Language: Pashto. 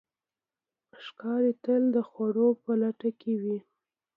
ښکاري تل د خوړو په لټه کې وي.